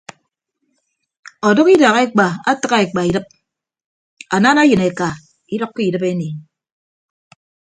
Ọdʌk idak ekpa atịgha ekpa idịp anana eyịn eka idʌkkọ idịp eniin.